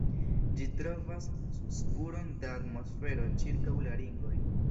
Ĝi trovas spuron da atmosfero ĉirkaŭ la ringoj.